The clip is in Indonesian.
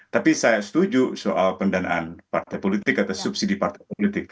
tapi saya setuju soal pendanaan partai politik atau subsidi partai politik